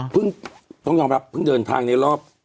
เพิ่งเพิ่งเดินทางในรอบ